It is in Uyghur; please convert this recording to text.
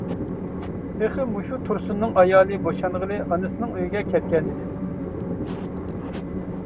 تېخى مۇشۇ تۇرسۇننىڭ ئايالى بوشانغىلى ئانىسىنىڭ ئۆيىگە كەتكەنىدى.